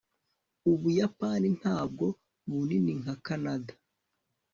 ubuyapani ntabwo bunini nka kanada